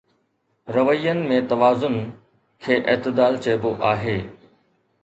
روين ۾ توازن کي اعتدال چئبو آهي.